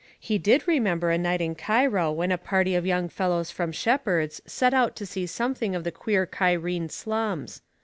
He did remember a night in Cairo when a party of young fellows from Shepheard's set out to see something of the queer Cairene slums.